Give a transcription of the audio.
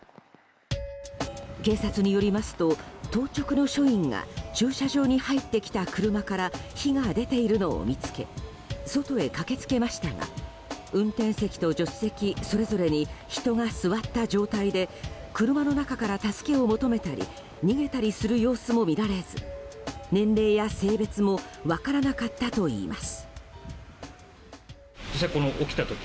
警察によりますと当直の署員が駐車場に入ってきた車から火が出ているのを見つけ外へ駆けつけましたが運転席と助手席それぞれに人が座った状態で車の中から助けを求めたり逃げたりする様子も見られず年齢や性別も分からなかったといいます。